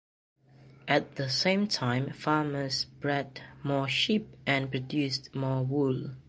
At the same time farmers bred more sheep and produced more wool.